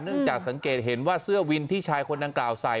จากสังเกตเห็นว่าเสื้อวินที่ชายคนดังกล่าวใส่